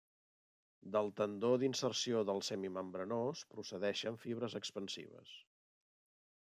Del tendó d'inserció del semimembranós procedeixen fibres expansives.